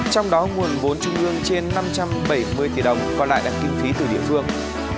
trong đó nguồn vốn trung ương trên năm trăm bảy mươi tỷ đồng còn lại là kinh phí từ địa phương